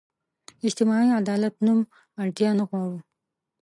اجتماعي عدالت نوم اړتیا نه غواړو.